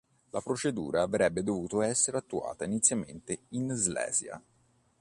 La procedura avrebbe dovuto essere attuata inizialmente in Slesia.